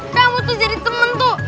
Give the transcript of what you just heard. kamu tuh jadi temen tuh